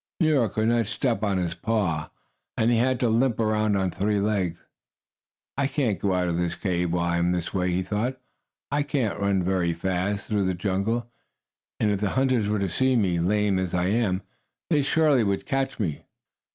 Nero could not step on his paw, and he had to limp around on three legs. "I can't go out of the cave while I'm this way," he thought. "I could not run very fast through the jungle, and if the hunters were to see me, lame as I am, they surely would catch me."